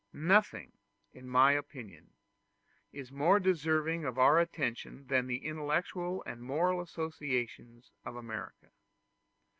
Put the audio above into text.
Nothing, in my opinion, is more deserving of our attention than the intellectual and moral associations of America.